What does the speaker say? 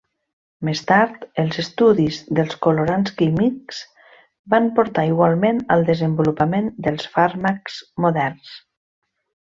Més tard, els estudis dels colorants químics van portar igualment al desenvolupament dels fàrmacs moderns.